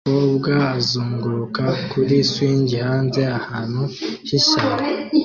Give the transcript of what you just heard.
Umukobwa azunguruka kuri swing hanze ahantu h'ishyamba